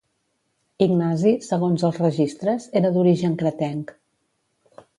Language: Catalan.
Ignasi, segons els registres, era d'origen cretenc.